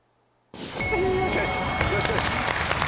よしよしよしよし。